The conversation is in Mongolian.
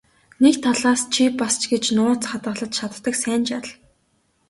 Нэг талаас чи бас ч гэж нууц хадгалж чаддаг сайн жаал.